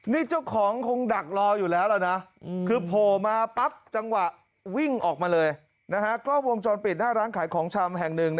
นี่เจ้าของคงดักรออยู่แล้วแล้วนะคือโผล่มาปั๊บจังหวะวิ่งออกมาเลยนะฮะกล้องวงจรปิดหน้าร้านขายของชำแห่งหนึ่ง